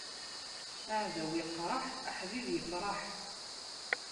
Aɛdaw iqṛeḥ, aḥbib ifṛeḥ.